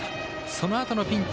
そのあとのピンチ